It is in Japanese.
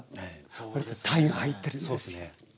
これで鯛が入ってるんです。